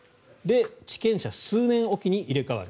地権者が数年おきに入れ替わる。